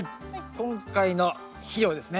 今回の肥料ですね。